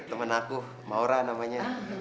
temen aku maura namanya